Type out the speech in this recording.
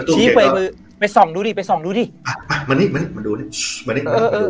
ชี้ไปส่องดูดิมานี่มานี่